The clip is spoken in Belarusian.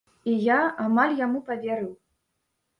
І я амаль яму паверыў.